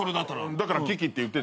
だから危機って言って。